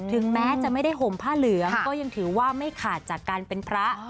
ถึงแม้จะไม่ได้ห่มผ้าเหลืองก็ยังถือว่าไม่ขาดจากการเป็นพระ